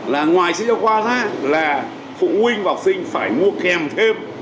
là ngoài sách giáo khoa ra là phụ huynh và học sinh phải mua kèm thêm